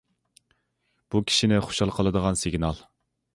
بۇ كىشىنى خۇشال قىلىدىغان سىگنال.